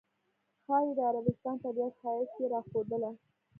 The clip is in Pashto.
ښایي د عربستان طبیعت ښایست یې راښودله.